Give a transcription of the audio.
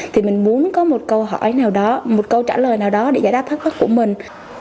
thì mình muốn có một câu hỏi nào đó một câu trả lời nào đó để giải đáp thất vọng của mình